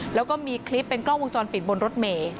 แล้วก็มีคลิปเป็นกล้องวงจรปิดบนรถเมย์